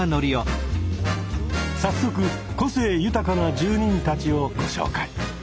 早速個性豊かな住人たちをご紹介。